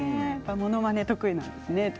ものまねが得意なんですね